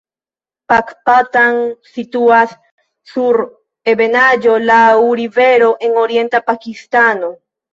Pakpatan situas sur ebenaĵo laŭ rivero en orienta Pakistano.